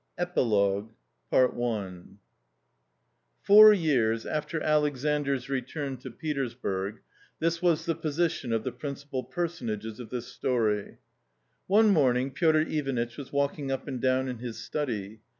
EPILOGUE Foxu ^years after Alexandr's return toJPetersburg, this was the position of the^pnhcTpal personages 6rthis~story. One morning Pic4rlyanit£h_was walking up and down in his study.